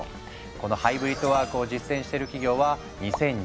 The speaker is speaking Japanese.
このハイブリッドワークを実践してる企業は２０２１年に４４％